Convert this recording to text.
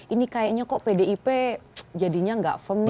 ini kayaknya kok pdip jadinya nggak firm nih